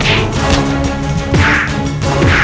kau akan menerima kesalahanmu